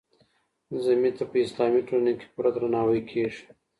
ذمي ته په اسلامي ټولنه کي پوره درناوی کېږي.